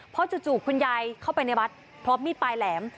พอจู่คุณยายเข้าไปในวัดพร้อมมีดปลายแหลม